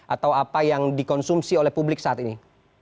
atau apa yang dikonsumsi oleh publik saat ini